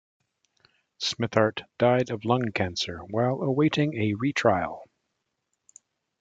Smithart, died of lung cancer, while awaiting a retrial.